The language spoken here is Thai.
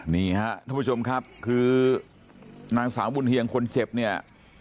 นี่ฮะท่านผู้ชมครับคือนางสาวบุญเฮียงคนเจ็บเนี่ย